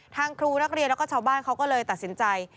ทางครูนักเรียนแล้วก็ชาวบ้านเขาก็เลยตัดสินใจ